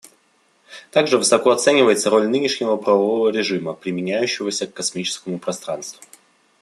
Также высоко оценивается роль нынешнего правового режима, применяющегося к космическому пространству.